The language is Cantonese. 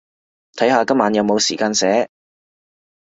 睇下今晚有冇時間寫